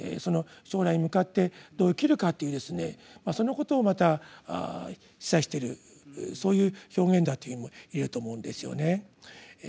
将来に向かってどう生きるかというそのことをまた示唆してるそういう表現だというふうにも言えると思うんですよね。